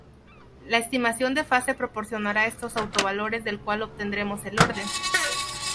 La estimación de fase proporcionará estos autovalores del cual obtendremos el orden.